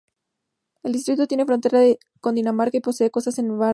El distrito tiene frontera con Dinamarca y posee costas con el Mar Báltico.